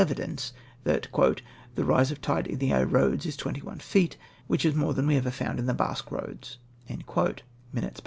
:33 evidence that " the rise of tide in Aix Eoads is twenty one feet, which is more than we ever found in Basque Eoads " {Minutes^ p.